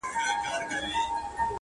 • نه دېوال نه كنډواله نه قلندر وو,